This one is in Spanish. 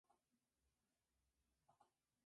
Sin embargo, las cosas no iban bien.